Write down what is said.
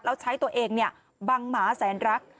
แล้วใช้ตัวเองบังหมาแสนรัก